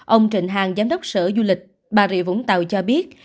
ông trịnh hàng giám đốc sở du lịch bà rịa vũng tàu cho biết